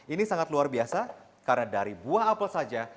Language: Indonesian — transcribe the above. ini sangat luar biasa karena dari buah apel saja